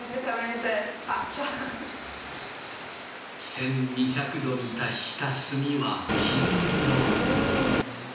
１，２００℃に達した炭は金色に。